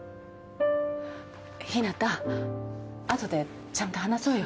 陽向後でちゃんと話そうよ。